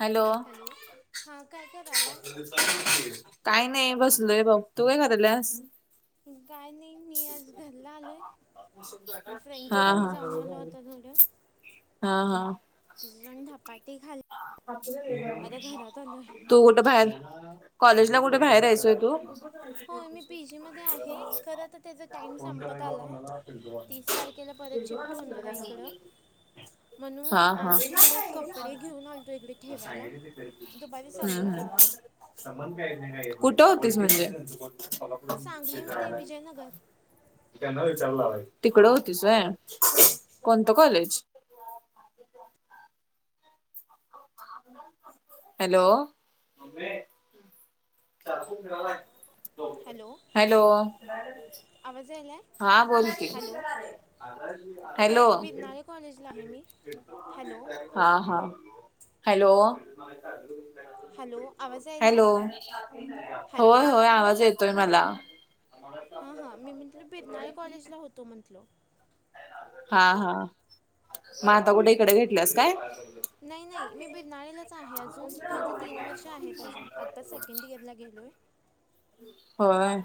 Hello! हां काय करायला काही नाही, बसलोय बग तू काय करायल्यास. काय नाय मी आज घरला आलोय, हा फ्रेंडच्या घरी हा जाऊन आलो [unintelligible] हा हा तिझी आण धपाटी आहे तू कुठ बाहेर, कॉलेजला कु- -ठं बाहेर हायस का तू? हो मी पी. जी. मध्ये आहे, खरं तर त्याचा टाइम संपत आलाय. तीस तारखेला परत शिफ्ट होणार हाय इकडं म्हणून हा हा आज थोडे कपडे घेऊन आलतो इकडे ठेवायला दुपारीच हम्म आलोय हम्म. कुठं होतीस म्हणजे सांगलीमध्ये विजयनगर तिकडं होतीस वय होय होत कॉलेज हॅलो मम्मे हॅलो आवाज यायलाय हा बोल की हॅलो बिरनाळे कॉलेजला आहे मी हॅलो हा हा हॅलो हॅलो आवाज यायलाय हॅलो हॅलो होय होय आवाज येत -तोय मला हा हा मी म्हंटल बिरनाळे कॉलेजला होतो म्हंटलो हा हा एवढ ते इकड घेतल्यास काय नाही नाही मी बिरणाळेलाच आहे अजून माझ तीन वर्ष आहेत अजून आत्ता सेकंड इयरला गेलोय होय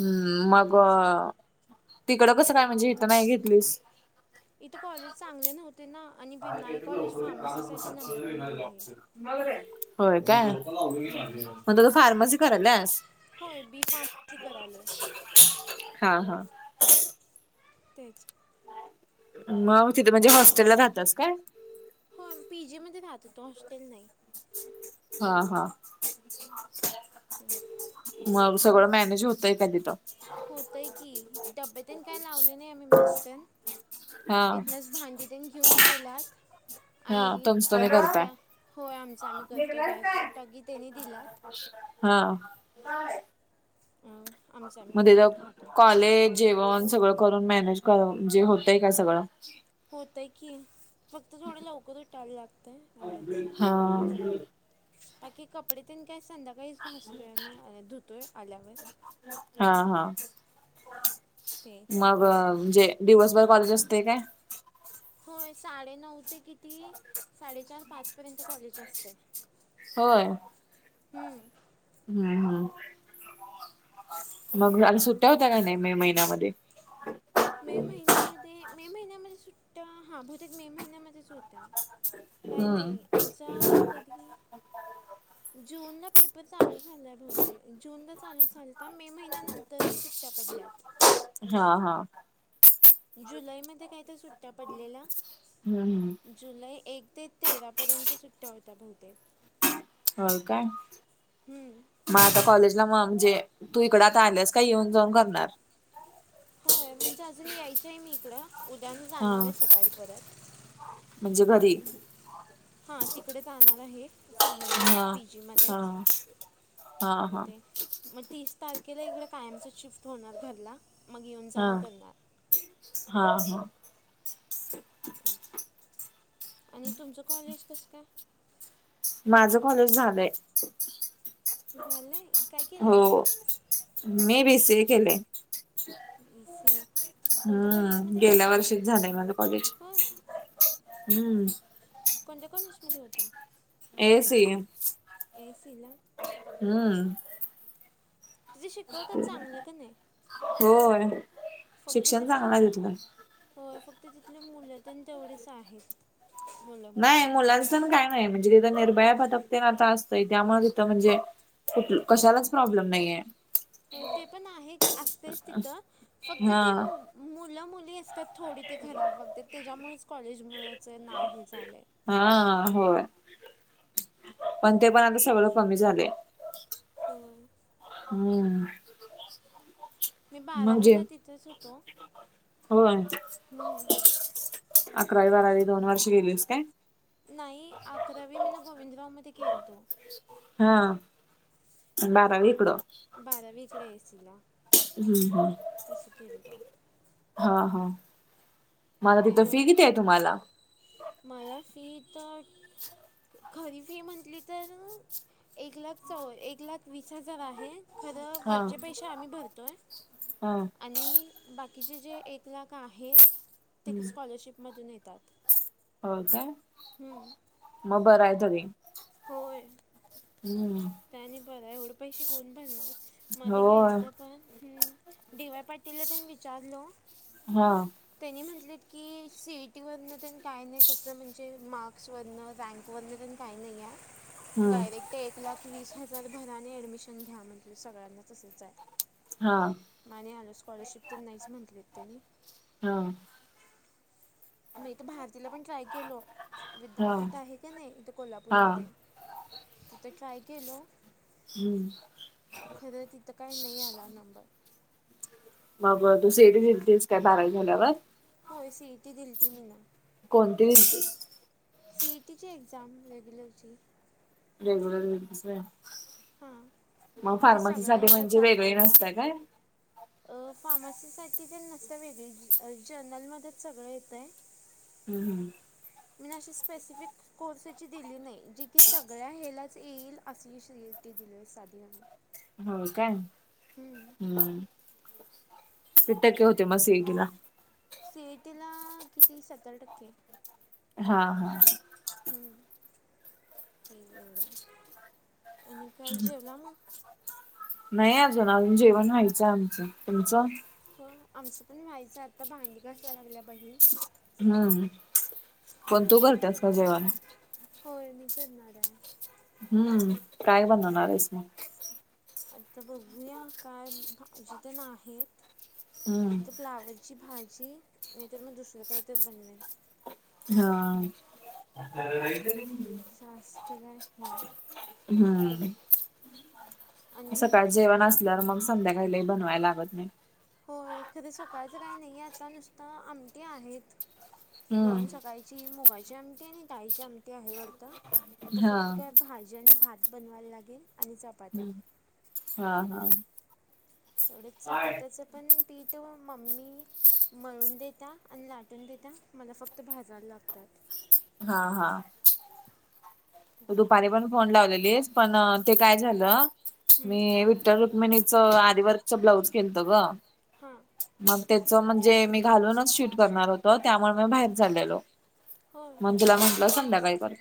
हू मग तेच तिकडं कसं काय म्हणजे हिथं नाही घेतलीस इथं कॉलेज चांगले नव्हते ना आणि होय बिरनाळे कॉलेज फार्मसीसाठी नंबर वन आहे काय म्हणून म्हटलं तर फार्मसी कराल्यास होय बी फार्मसी करालोय हा हा तेच म तिथ म्हणजे होस्टेलला राहत्यास काय होय मी पी जी मध्ये राहत होतो हॉस्टेल नाही हा हा तेच, मग सगळं मॅनेज होतंय का तिथ होतय की डब्बेतेन काय लावले नाही आम्ही मेस तेन हा इथनच भांडीतेन घेऊन गेलात हा आणि तुमच तुम्ही करताय गॅ होय आमच आम्ही करतोय गॅस टाकी त्यांनी दिल्यात हा आमचं आम्ही म तिथ करून खातो कॉलेज जेवण सगळं करून मॅनेज कर म्हणजे होतय का सगळं होतय की फक्त थोडं लवकर उठाय लागतंय एवढंच हा बाकी कपडे तेन काय संध्याकाळीच घासतोय आमी धुतोय आल्यावर हा हा ते मग तेवढंच म्हणजे दिवसभर कॉलेज असतय काय होय साडेनऊ ते किती साडेचार पाच पर्यंत कॉलेज असतय होय हू हू मग आणी सुट्टया तिथं होत्या काय नाही मे महिन्यामध्ये मे महिन्यामध्ये मे महिन्यामध्ये सुट्या हा बहुतेक मे महिन्यामध्येच होत्या काय हम्म. नाही, आमचा कधी जूनला पेपर चालू झाला बहुतेक, जूनला चालू झालता मे महिन्यानंतरच सुट्ट्या पडल्यात. हा हा. जुलैमध्ये काय तर सुट्या पडलेल्या हम्म जुलै एक ते तेरा पर्यंत सुट्ट्या होत्या बहुतेक. होय काय? हम्म मग आता कॉलेजला म म्हणजे तू इकड आता आल्यास काय? येऊन जाऊन करणार? होय म्हणजे अजून यायची हाय मी इकड, उद्या मी हा जाणार आहे सकाळी परत. म्हणजे घरी? हां तिकडे जाणार आहे. सांगलीला हा पी जी हा मध्येच, हा म हा. ते मग तीस तारखेला इकडें कायमचं शिफ्ट होणार घरला, मग येऊन हा जाऊन करणार. हा हा. आणि तुमचं कॉलेज कसं काय? माझं कॉलेज झालंय. झालय? काय केलयसा? हो. मी बी सी ए केलेय. ई सी कोणत्या हम्म, कॉलेजमध्ये गेल्या वर्षीच झालंय माझ कॉलेज. हां हम्म. कोणत्या कॉलेज मध्ये होता? A A C. A A C ला? हम्म. तिथे शिकवतात चांगलं कनी? होय. फक्त शिक्षण तिथली चांगलं आहे तिथलं. होय फक्त तिथली मुलं तेनं तेवढीच आहेत. मुलं नाही मुली मुलांचंण काय नाय, म्हणजे तिथं निर्भया पथक तेन आता असतय त्यामुळे तिथं म्हणजे कुठ कशालाच प्रॉब्लेम नाहीये. होय ते पण आहे असतेच तिथ, फक्त हा ते मुलं मुली असत्यात थोडी ते खराब वागत्यात, त्याच्यामुळेच कॉलेजमुळच नाव हे झालंय. हां होय, पण ते पण आता सगळं कमी झालय. होय. हम्म. मी म्हणजे बारावीला तिथेच होतो, होय हम्. अकरावी बारावी दोन वर्ष गेलीस काय? नाही अकरावी मिन गोविंदराव मध्ये केलतो. हां, अन बारावी इकडं? बारावी इकडे ए ए सी ला. हम्म हम. तस केलतो. हा हा, मग आता तिथं ते फी किती आहे तुम्हाला? मला फी इथ खरी फी म्हटली तर एक लाख चौ एक लाख वीस हजार आहे खरं हा वरचे पैसे आम्ही भरतोय हा आणि बाकीचे जे एक लाख आहेत ते स्कॉलरशिपमधून येतात. हो काय? हम. मग बरं आहे तरी. होय. हम्म. ते आणी बर आहे एवढं पैसे कोण भरणार मध्ये गेल होय तो पण ह. डी वाय पाटीलला तेनं विचारलं. हा. त्यांनी म्हटलेत की सीई टी वरन तेनं काय नाही तसं. म्हणजे मार्क्स वरण रँक वरतेनं काही नाही आहे हम्म डयरेक्ट. वीस हजार भराने ऍडमिशन घ्या म्हटले सगळ्यांना तसच आहे. हा माझी आलं स्कॉलरशिप तर नाहीच म्हंटलेत त्यांनी हा. मी तर भारतीला पण ट्राय केलो. हा विद्यापीठ आहे का नाही इथे हा कोल्हापूरमध्ये तिथं ट्राय केलो हम्म. खरं तिथं काय नाही आला नंबर. मग तू सीईटी दिलतीस काय बारावि झाल्यावर. होय सीईटी दिलती मी न. कोणती दिलतीस. सीईटीची एक्झाम रेगुलर ची. रेग्युलर दिलतीस व्हय हां मग जी फार्मसी सगळ्या साठी ह्याला म्हणजे चालतं वेगळे आहे ते नसत कायव अ फार्मसीसाठी तर नसत वेगळी जनरल मध्ये सगळं येतय. हम् हम. मीना अशी स्पेसिफिक. कोर्सेची दिली नाही जी की सगळ्या ह्यालाच येईल अशी सीईटी दिली साधी वाली. हो काय हम्. किती टक्के होते म सीएटी ला. सीएटीला किती सत्तर टक्के. हा हा. हं तीन एवढा. तेनी काय जेवला मग. नाही अजून अजून जेवण व्हायचं आमचं तुमचं. हो आमचं पण व्हायचं आता भांडी घासा लागल्या बहीण हम्म. पण तु घालतास का जुळा् होय मी करणार आहेव हम्म काय बनवणार आहेस मग. आता बघूया काय जीत नाही त हम्म एक तर. फ्लावरची भाजी नाहीतर मग दुसरं काही तर बनवेल. हा. जास्त काही नाही. हम्म आणि सकाळच जेवण असल्यावर मग. संध्याकाळी लय बनवायला लागत नाही. होय खर सकाळचं काही नाहीे आता नुसतं आमटी आहेत हम्म दोन सकाळीव ची मुगाची आमटी आहे आणि ताळीची आमटी आहे वरता आता हा फक्त काय. भाजी आणि भात बनवायला लागेल, आणि चपा हम्म हा हा. एवढ्या चपात्याचं पण पिठ मम्मी मळून देत्या आणि लाटून देत्या, मला फक्त भाजायला लागत्यात. हा हा. [inaudible] दुपारी पण फोन लावलेलीस पण ते काय झालं, मी विठ्ठल रुक्मिणीचं अरी वर्क च ब्लाऊज केलतो गं हां. मग त्येच म्हणजे, मी घालूनच शूट करणार होतो त्यामुळं मी भाईर चाललेलो. होय म्हणून तुला म्हंटलं संध्याकाळी करतो.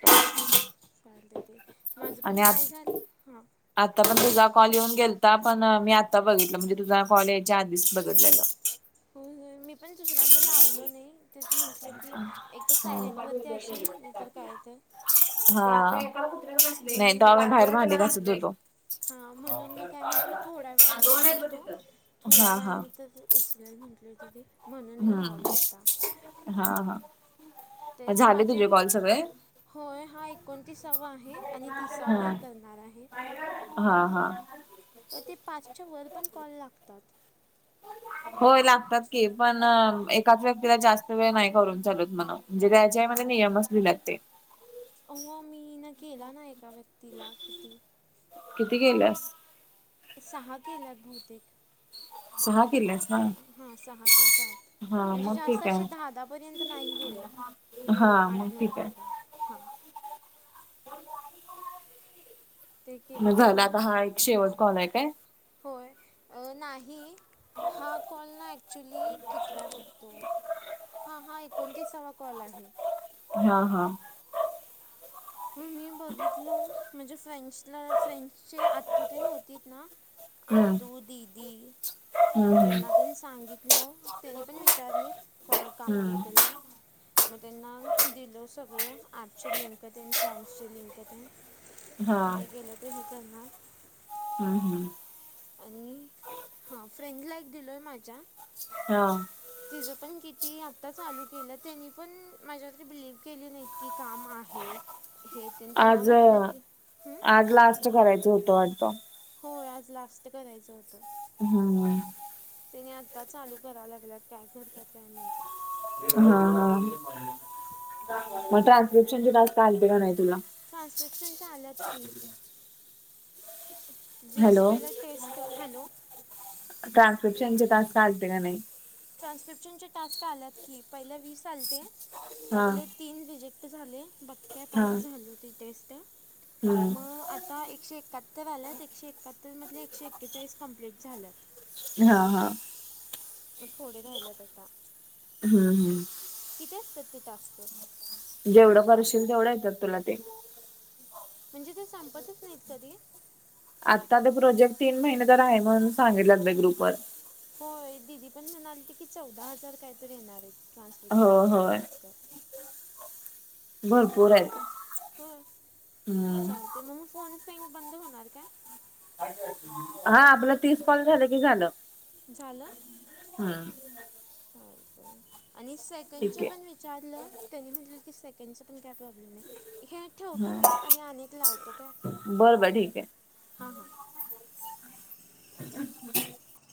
चालतय ते, माझं आणि पण आ काय झालं, हा आता पण तुझा कॉल येऊन गेलता, पण आता बघितलं, म्हणजे तुझा कॉल यायच्या आधीच बघितल्याल. होय होय, मी पण दुसऱ्यांदा लावलो नाही तेच म्हण म्हटलो की, एकतर सायलेंटवरती अशील, नाहीतर कायतर. हां, नाही म्हणून मग तवा मी भायर डायरेक्ट भांडी घासत हूतो. हां म्हणून मग दोन काय म्हटलं थोड्या वेळानं हायत बघ लावतो तिथं. थोड्या वेळानंतर उचलेल म्हटलं होती ती, म्हणून मग लावलो हम्म आता. हा हा. तेच झाले माझी, तुझे कॉल सगळे? होय हाय ऐकोणतीसावा आहे, आणि तिसावा एक करणार आहे. हा हा अ ते पाचच्या वर पण कॉल लागतात. होय लागतात की, पण एकाच व्यक्तीला जास्त वेळ नाही करून चालत म्हणं. म्हणजे त्याच्यामध्ये नियम लिल्यात ते. अवा मी ना केलाना एका व्यक्तीला किती. किती गेल्यास? सहा केल्यात बहुतेक. सहा केल्यास ना हा सहा काय सात, हा म्हणजे मग जास्त ठीक अशे आहे दहा दहा पर्यंत नाही गेले, हा मग आठ नऊ ठीक आहे. धा धा, हां. ते केलं मग तेवढं झालं हा एक शेवट कॉल हाय काय? होय, अं नाही हा कॉल ना ऍक्च्युली, कीतवाय बघतो. हा, हा एकोणतीसावा कॉल आहे. हा हा. हो मी बघितलो, माझ्या फ्रेंड्सला फ्रेंड्सचे आतुते होतीत ना हम्म आतू दिदी, हम्म हम्म त्यांना तन सांगीत तलो, त्यनी पण विचारलीत कामाबद्दल हम्म या. मग त्यंना दिलो सगळं, ॲपची लिंक फॉर्म्सचे लिंक येन, हा मग ते गेलं की हे करणार. हम्म हम्म. आणि, हां फ्रेड ला एक दिलोय माझ्या हां. तिजं पण किती, आत्ता चालू केलं त्यानी पण माझ्यावर बिलीव्ह केलं नाहीत, की काम आहे हे तेन, त्यांना वाटलं की, हम्म. असं करायचं होतं वाटतं. होय आज लास्ट करायचं होतं. हा. हा. त्यांनी आता चालू कराय लागल्यात काय करतेत काय माहती. हा. हा. मग ट्रान्सक्रिप्शन चे टास्क आलते का नाय तुला? ट्रान्स्क्रिप्शनचे आल्यात की वीस पहिला टेस्ट हॅलो. ट्रान्सक्रिप्शन चे टास्क आलते का नाही. ट्रान्स्क्रिप्शनचे टास्क आल्यात की पहिल्या वीस आलते हा त्यातले तीन रिजेक्ट झाले बाकी काय हा पास झालो ती टेस्ट हम्म मग आता आता एकशे एकाहत्तर आल्यात एकशे एकाहत्तरमधले एकशे एक्केचाळीस कम्प्लीट झाल्यात. हा. हा. मग थोडे राहील्यात आता. हम् हम्म. किती असतात ते टास्क. जेवढं करशील तेवढं येतात तुला ते. म्हणजे ते संपतच नाहीत कधी? आता ते प्रोजेक्ट तीन महिने तर आहे म्हणून सांगितलेत बाई ग्रुप वर. होय दिदी पण म्हणाले ते की चौदा हजार काय तर येणार आहेत. हो ट्रान्स्क्रिप्शनचे होय टास्क. भरपूर आहेत होय हम्म चाल ते मग फोन फिग बंद होणार काय? हा आपला तीस कॉल झालं की झालं. झालं हम्म आणि सेकंड ठीक चे पण आहे विच चारलं त्याने म्हटलं की सेकंडचा पण काय प्रॉब्लेम नाही हे. ठेवतो हा मी आणि अनेक लावतो काय बरं बरं ठीक आहे हां हां. अम्